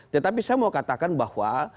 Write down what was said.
tetapi saya mau katakan bahwa